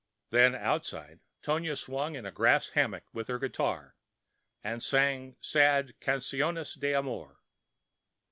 Then outside Tonia swung in a grass hammock with her guitar and sang sad canciones de amor.